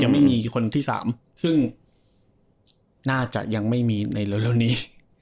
ไม่มีคนที่๓ซึ่งน่าจะยังไม่มีในเร็วนี้